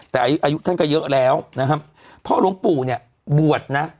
แต่อายุท่านก็เยอะแล้วนะครับพ่อหลวงปู่เนี่ยบวชนะ